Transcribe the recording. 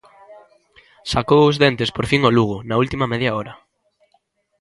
Sacou os dentes por fin o Lugo na última media hora.